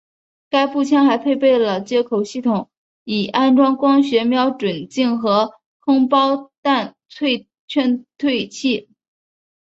该步枪还配备了接口系统以安装光学瞄准镜和空包弹助退器。